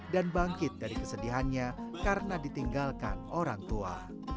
dan bangkit dari kesedihannya karena ditinggalkan orang tua